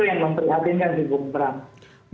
itu yang memprihatinkan di bung perang